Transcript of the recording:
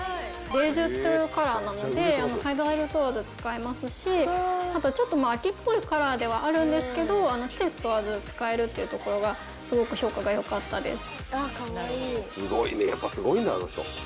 ベージュというカラーなので肌色問わず使えますしあとちょっと秋っぽいカラーではあるんですけど季節問わず使えるっていうところがすごく評価が良かったです。